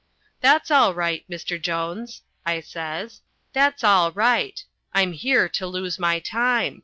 "That's all right, Mr. Jones," I says. "That's all right. I'm here to lose my time.